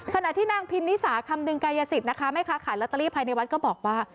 ขณะที่นางพินนิสาคำนึงกายสิทธิ์นะคะแม่ค้าขายลอตเตอรี่ภายในวัดก็บอกว่า